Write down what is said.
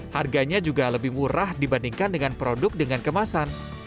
harganya juga lebih murah dibandingkan dengan produk dengan kemasan